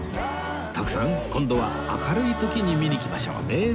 徳さん今度は明るい時に見に来ましょうね